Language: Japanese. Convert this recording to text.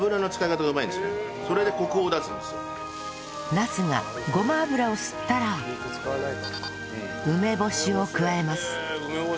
ナスがごま油を吸ったら梅干しを加えます